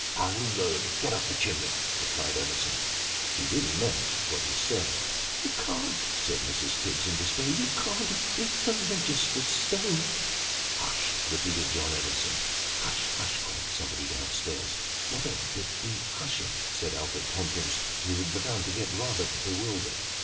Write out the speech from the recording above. " I'll get up the chimney," replied Evenson, who really meant what he said. "You can't," said Mrs. Tibbs, in despair. "You can't it's a register stove." " Hush !" repeated John Evenson. " Hush hush !" cried somebody down stairs. " What a d d hushing !" said Alfred Tomkins, who began to get rather bewildered.